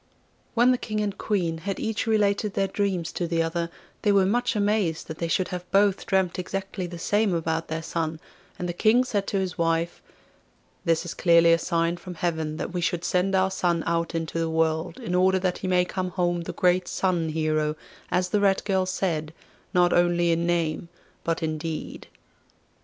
When the King and Queen had each related their dreams to the other, they were much amazed that they should both have dreamt exactly the same about their son, and the King said to his wife, 'This is clearly a sign from heaven that we should send our son out into the world in order that he may come home the great Sun Hero, as the Red Girl said, not only in name but in deed.